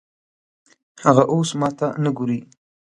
هغه اوس ماته نه ګوري